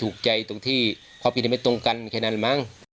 อืมนะคะ